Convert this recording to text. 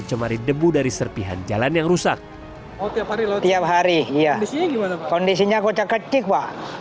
kondisinya kocak ketik pak